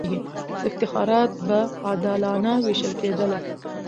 افتخارات به عادلانه وېشل کېدله.